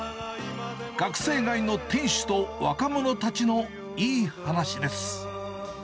学生街の店主と若者たちのいい話です。